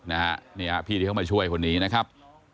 นี่พี่ที่เข้ามาช่วยคนนี้นะครับ